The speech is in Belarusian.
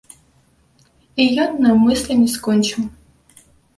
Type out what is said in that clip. І ён наўмысля не скончыў.